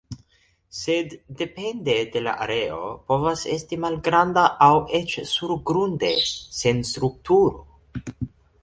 Sed depende de la areo povas esti malgranda aŭ eĉ surgrunde sen strukturo.